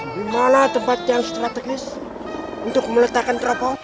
dimana tempat yang strategis untuk meletakkan teropong